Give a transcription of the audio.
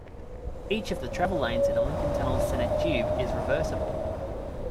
Each of the travel lanes in the Lincoln Tunnel's center tube is reversible.